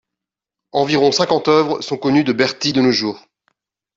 Environ cinquante œuvres sont connues de Berti de nos jours.